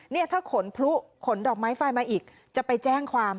เนี่ยถ้าขนพลุขนดอกไม้ไฟมาอีกจะไปแจ้งความ